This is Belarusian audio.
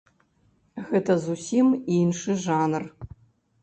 Гэта зусім іншы жанр.